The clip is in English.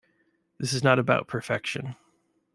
This is not about perfection.